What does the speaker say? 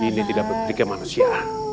ini tidak berpikir manusia